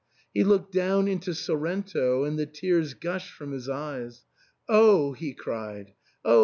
He looked down into Sorrento, and the tears gushed from his eyes. " Oh !" he cried, " Oh